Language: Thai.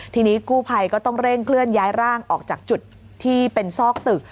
ทีนี้กู้ภัยก็ต้องเร่งเคลื่อนย้ายร่างออกจากจุดที่เป็นซอกตึก